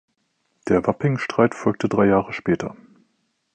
Der Wapping-Streit folgte drei Jahre später.